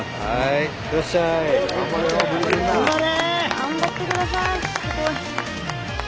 頑張ってください。